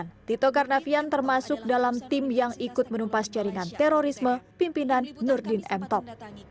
dan di tahun dua ribu sembilan tito karnavian termasuk dalam tim yang ikut menumpas jaringan terorisme pimpinan nurdin emtok